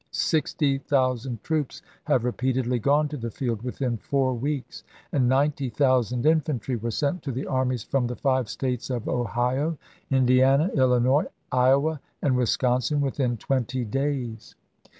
Sixty thousand troops have repeatedly gone to the field within four weeks ; and 90,000 infantry were sent to the armies from the five States of Ohio, Indiana, Illinois, Iowa, and Wisconsin within twenty days."